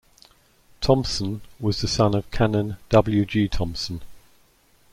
Thompson was the son of Canon W. G. Thompson.